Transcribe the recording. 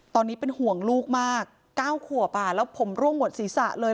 ตอนนี้เป็นห่วงลูกมาก๙ขวบแล้วผมร่วงหมดศีรษะเลย